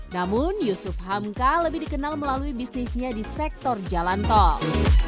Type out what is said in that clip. namun yusuf hamka lebih dikenal melalui bisnisnya di sektor jalan tol